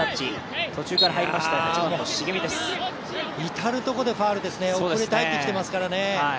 至る所でファウルですね、遅れて入ってきていますからね。